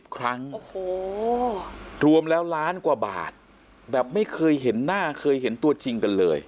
ครั้งรวมแล้วล้านกว่าบาทแบบไม่เคยเห็นหน้าเคยเห็นตัวจริงกันเลย